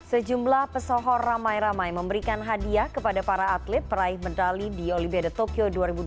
sejumlah pesohor ramai ramai memberikan hadiah kepada para atlet peraih medali di olimpiade tokyo dua ribu dua puluh